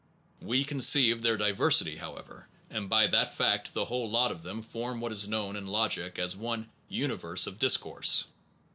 We con ceive their diversity, however; and by that fact the whole lot of them form what is known in logic as one universe of discourse.